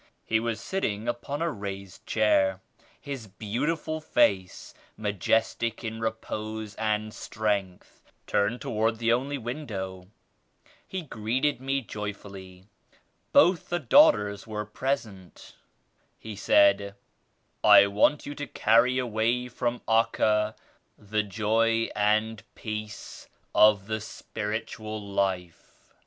He was sitting upon a raised chair, his beautiful face majestic in repose and strength turned toward the only window. He greeted me joyfully. Both the daughters were present. He said "I want you to carry away from Acca the joy and peace of the spiritual life."